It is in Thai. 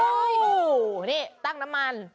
โอ้โหนี่ตั้งน้ำมัน